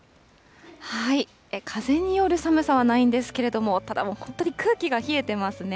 風による寒さはないんですけれども、ただもう、本当に空気が冷えてますね。